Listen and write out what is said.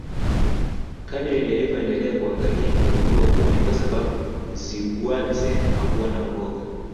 kadiri nilivyoendelea kuangalia nikagundua kuwa ni kwa sababu Zigwadzee hakua na uoga